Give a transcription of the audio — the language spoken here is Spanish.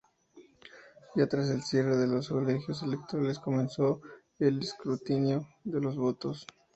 Ya tras el cierre de los colegios electorales comenzó el escrutinio de los votos.